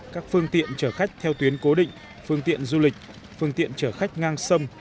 các phương tiện chở khách theo tuyến cố định phương tiện du lịch phương tiện chở khách ngang sông